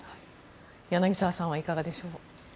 柳澤さんはいかがでしょう。